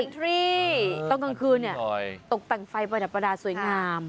ตรงกลางคืนอันนี้ตกแต่งไฟประดับประดาสวยงาม